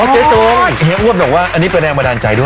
เจ๊จงเฮีอ้วนบอกว่าอันนี้เป็นแรงบันดาลใจด้วย